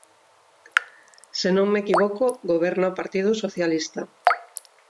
Se non me equivoco, goberna o Partido Socialista.